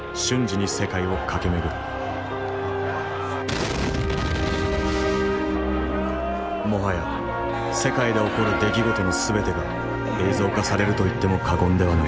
もはや世界で起こる出来事の全てが映像化されると言っても過言ではない。